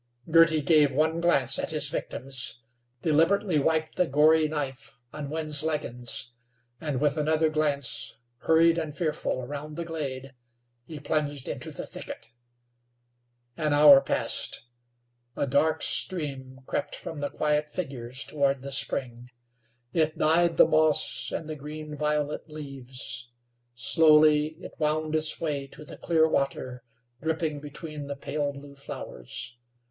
Girty gave one glance at his victims; deliberately wiped the gory knife on Wind's leggins, and, with another glance, hurried and fearful, around the glade, he plunged into the thicket. An hour passed. A dark stream crept from the quiet figures toward the spring. It dyed the moss and the green violet leaves. Slowly it wound its way to the clear water, dripping between the pale blue flowers.